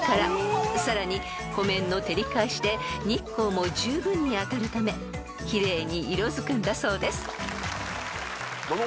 ［さらに湖面の照り返しで日光も十分に当たるため奇麗に色づくんだそうです］